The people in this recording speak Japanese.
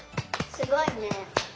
すごいね。